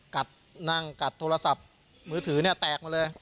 นั่งกัดโทรศัพท์มือถือเนี่ยแตกมาเลย